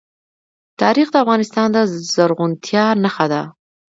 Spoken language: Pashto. تاریخ د افغانستان د زرغونتیا نښه ده.